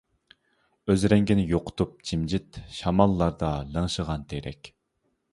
ئۆز رەڭگىنى يوقىتىپ جىمجىت، شاماللاردا لىڭشىغان تېرەك.